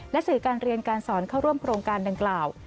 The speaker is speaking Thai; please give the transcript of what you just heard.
และสื่อการเรียนการสอนเข้าร่วมโครงการดังกล่าว